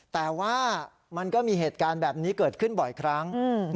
แต่ว่ามันก็มีเหตุการณ์แบบนี้เกิดขึ้นบ่อยครั้ง